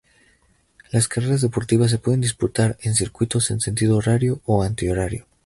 Las carreras deportivas se pueden disputar en circuitos en sentido horario o antihorario.